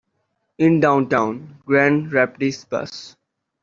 In downtown Grand Rapids, Bus.